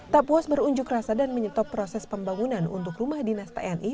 tak puas berunjuk rasa dan menyetop proses pembangunan untuk rumah dinas tni